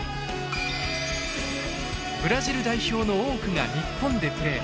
ブラジル代表の多くが日本でプレー。